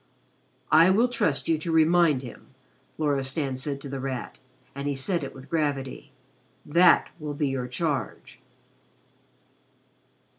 "I will trust you to remind him," Loristan said to The Rat, and he said it with gravity. "That will be your charge."